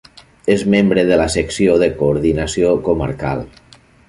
És membre de la Secció de Coordinació comarcal.